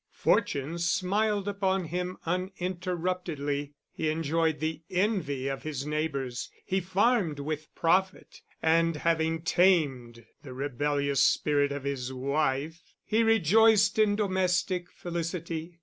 Fortune smiled upon him uninterruptedly; he enjoyed the envy of his neighbours; he farmed with profit, and, having tamed the rebellious spirit of his wife, he rejoiced in domestic felicity.